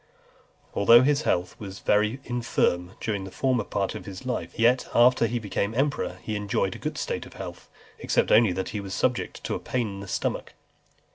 XXXI. Though his health was very infirm during the former part of his life, yet, after he became emperor, he enjoyed a good state of health, except only that he was subject to a pain of the stomach.